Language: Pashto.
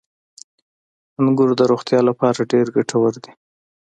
• انګور د روغتیا لپاره ډېر ګټور دي.